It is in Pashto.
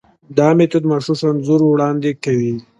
دا میتود مغشوش انځور وړاندې کوي.